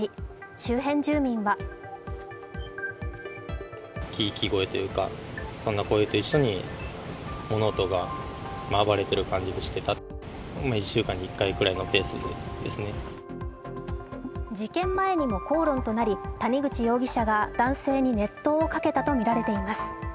周辺住民は事件前にも口論となり谷口容疑者が男性に熱湯をかけたとみられています。